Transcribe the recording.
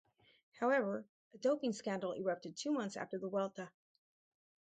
However, a doping scandal erupted two months after the Vuelta.